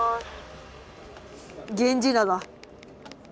源氏名だ。